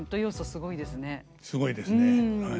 すごいですねはい。